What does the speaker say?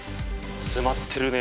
詰まってるね。